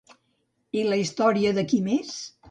I la història de qui més?